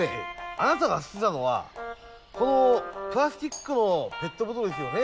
あなたが捨てたのはこのプラスチックのペットボトルですよね？